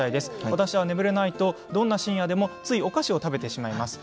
私は眠れないとどんなに深夜でもついついお菓子を食べてしまいます。